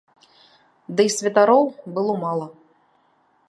Дый святароў было мала.